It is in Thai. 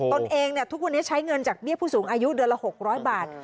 ตนเองทุกวันนี้ใช้เงินจากเบี้ยผู้สูงอายุเดือนละ๖๐๐บาท